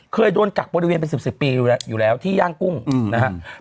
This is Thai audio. เคยโดนกักบริเวณเป็น๑๐ปีอยู่แล้วอยู่แล้วที่ย่างกุ้งนะครับ